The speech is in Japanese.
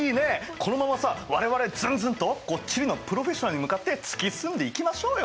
このままさ我々ズンズンとこう地理のプロフェッショナルに向かって突き進んでいきましょうよ！